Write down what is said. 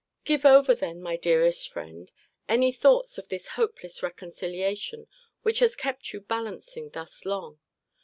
Give over then, my dearest friend, any thoughts of this hopeless reconciliation, which has kept you balancing thus long.